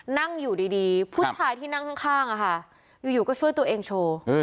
นั่งอยู่ดีผู้ชายที่นั่งข้างอยู่ก็ช่วยตัวเองโชว์